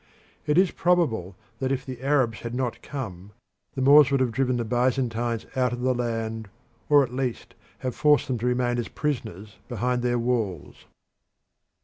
It is probable that if the Arabs had not come the Moors would have driven the Byzantines out of the land, or at least have forced them to remain as prisoners behind their walls.